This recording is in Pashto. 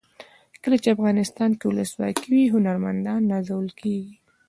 کله چې افغانستان کې ولسواکي وي هنرمندان نازول کیږي.